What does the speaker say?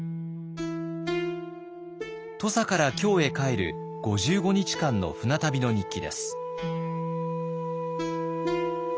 土佐から京へ帰る５５日間の船旅の日記です。